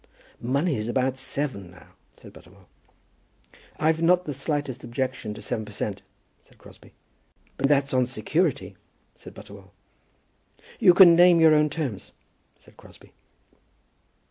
"Money's about seven now," said Butterwell. "I've not the slightest objection to seven per cent.," said Crosbie. "But that's on security," said Butterwell. "You can name your own terms," said Crosbie.